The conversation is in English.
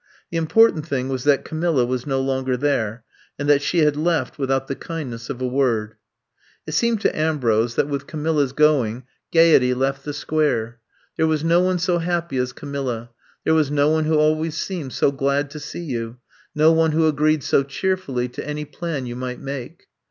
The important thing was that Camilla was no longer there, and that she had left without the kindness of a word. It seemed to Ambrose that with Ca I'VE COME TO STAY 171 miliars going gaiety left the Square. There was no one so happy as Camilla, there was no one who always seemed so glad to see you, no one who agreed so cheer fully to any plan you might make.